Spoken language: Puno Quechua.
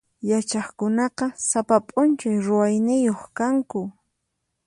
Yachaqkunaqa sapa p'unchay ruwayniyuq kanku.